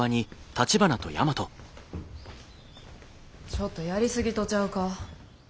ちょっとやりすぎとちゃうか？